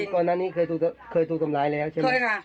ก่อนนั้นเคยตรงไหนแล้วใช่ไหม